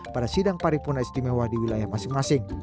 pada sidang paripurna istimewa di wilayah masing masing